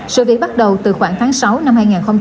sự việc bắt đầu từ khoảng tháng sáu năm hai nghìn hai mươi